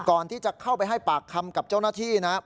ก่อนที่จะเข้าไปให้ปากคำกับเจ้าหน้าที่นะครับ